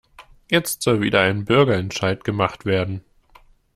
Jetzt soll wieder ein Bürgerentscheid gemacht werden.